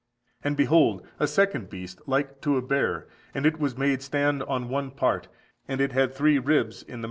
And behold a second beast like to a bear, and it was made stand on one part, and it had three ribs in the mouth of it.